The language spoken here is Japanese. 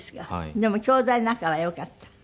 でもきょうだい仲は良かった？